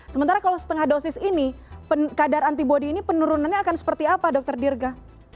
sementara kalau setengah dosis ini kadar antibody ini penurunannya akan seperti apa dokter dirga